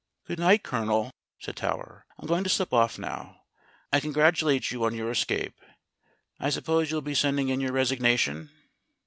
"Good night, Colonel," said Tower. "I'm going to slip off now. I congratulate you on your escape. I suppose you'll be sending in your resignation?"